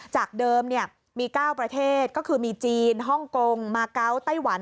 จากเดิมมี๙ประเทศก็คือมีจีนฮ่องกงมาเกาะไต้หวัน